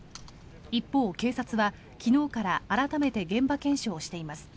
一方、警察は昨日から改めて現場検証をしています。